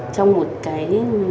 trong một cái